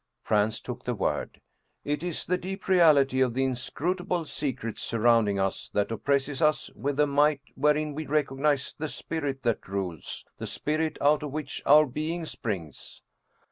Franz took the word. " It is the deep reality of the in scrutable secrets surrounding us that oppresses us with a might wherein we' recognize the Spirit that rules, the Spirit out of which our being springs."